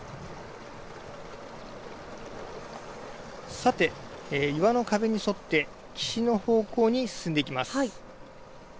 さて、岩の壁に沿って岸の方向に進んでいきます。